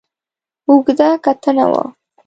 اوږده کتنه وه.